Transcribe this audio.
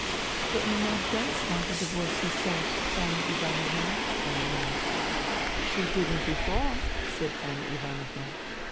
" But Mama does want a divorce herself, Fanny Ivanovna," — from Nina. " She didn't before," said Fanny Ivanovna.